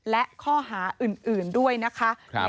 และข้อหาอื่นด้วยนะคะ